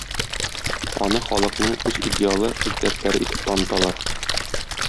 Аны халыкның үз идеалы, үз дәртләре итеп таныталар.